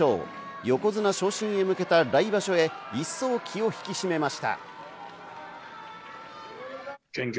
横綱昇進へ向けた来場所へ、一層気を引き締めました。